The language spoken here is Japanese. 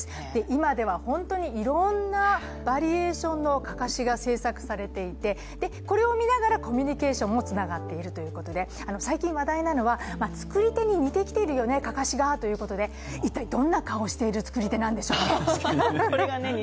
今では本当にいろんなバリエーションのかかしが製作されていてこれを見ながら、コミュニケーションにもつながっているということで最近話題なのは、作り手にかかしが似てきているよねということで一体、どんな顔をしている作り手なんでしょうかね。